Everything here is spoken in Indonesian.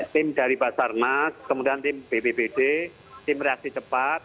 tim dari pasar mas kemudian tim bbbd tim reaksi cepat